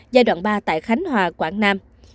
giai đoạn ba tại khánh hòa quảng nam